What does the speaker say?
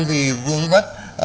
vì vương vất